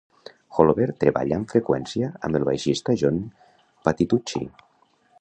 Holober treballa amb freqüència amb el baixista John Patitucci.